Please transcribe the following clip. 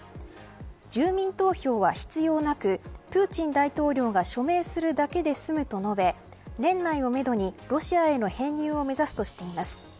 住民投票は必要なくプーチン大統領が署名するだけで済むと述べ年内をめどにロシアへの編入を目指すとしています。